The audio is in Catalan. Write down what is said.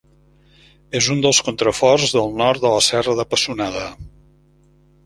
És un dels contraforts del nord de la Serra de Pessonada.